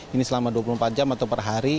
ini selama dua puluh empat jam atau per hari